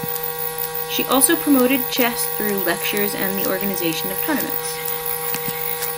She also promoted chess through lectures and the organization of tournaments.